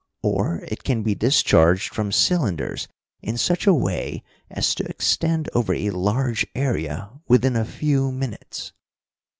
Or it can be discharged from cylinders in such a way as to extend over a large area within a few minutes."